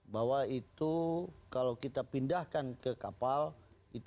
bahwa itu kalau kita pindahkan ke kapal itu